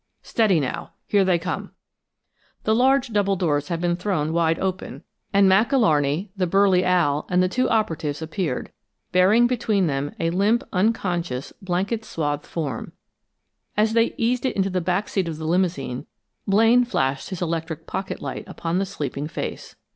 Steady now, here they come!" The large double doors had been thrown wide open and Mac Alarney, the burly Al, and the two operatives appeared, bearing between them a limp, unconscious, blanket swathed form. As they eased it into the back seat of the limousine, Blaine flashed his electric pocket light upon the sleeping face.